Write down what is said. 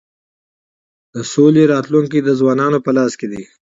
د سولی راتلونکی د ځوانانو په لاس کي دی.